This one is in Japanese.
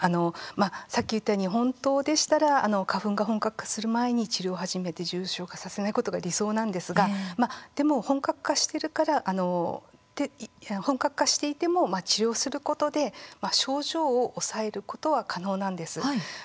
さっき言ったように本当でしたら、花粉が本格化する前に治療を始めて重症化させないことが理想なんですが本格化していても治療することで症状を抑えることは可能なんです。